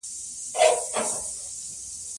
پروژه تېر کال پیل شوه.